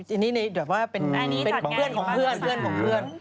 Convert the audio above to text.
อย่างนี้แบบว่าเป็นเพื่อนของเพื่อนทำงานอย่างน่ะฟักคุรสร้าง